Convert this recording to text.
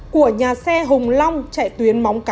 của nhà xe hùng long chạy tuyến móng cái